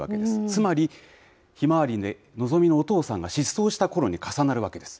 つまりひまわりののぞみのお父さんが失踪したころに重なるわけです。